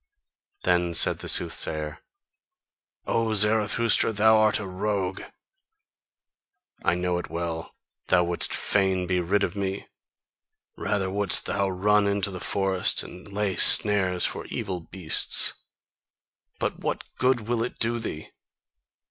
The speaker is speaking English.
Then said the soothsayer: "O Zarathustra, thou art a rogue! I know it well: thou wouldst fain be rid of me! Rather wouldst thou run into the forest and lay snares for evil beasts! But what good will it do thee?